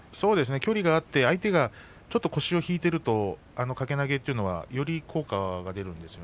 距離があって相手が腰を引いていると掛け投げはより効果が出るんです。